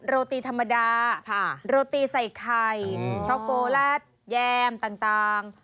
โรตีธรรมดาโรตีใส่ไข่ช็อกโกแลตแยมต่าง